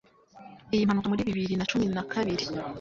iyi mpanuka muri bibiri na cumi na kabiri